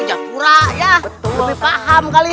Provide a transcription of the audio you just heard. jatuh rak yah lebih paham kali